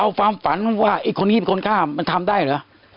เอาความฝันว่าไอ้คนนี้เป็นคนฆ่ามันทำได้เหรอ